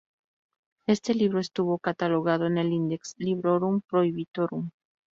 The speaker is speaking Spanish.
Este libro estuvo catalogado en el "Index Librorum Prohibitorum".